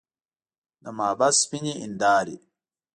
د محبس سپینې هندارې.